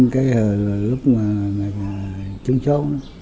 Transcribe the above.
cái lúc mà trúng số